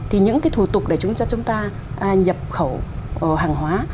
thì những cái thủ tục để chúng ta nhập khẩu hàng hóa